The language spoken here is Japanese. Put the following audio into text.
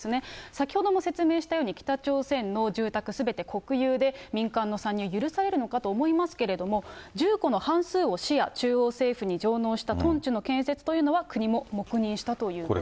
先ほども説明したように、北朝鮮の住宅、すべて国有で、民間の参入が許されるのかと思いますけれども、住戸の半数を市や中央政府に上納したトンチュの建設というのは、国も黙認したということです。